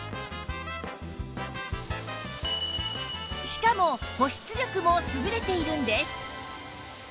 しかも保湿力も優れているんです